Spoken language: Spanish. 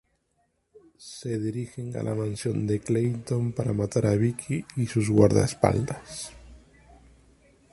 Se dirigen a la mansión de Clayton para matar a Vicki y sus guardaespaldas.